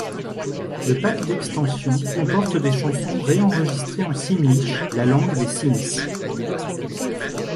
Le pack d'extension comporte des chansons ré-enregistrées en Simlish, la langue des Sims.